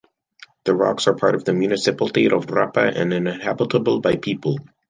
The rocks are part of the municipality of Rapa and uninhabitable by people.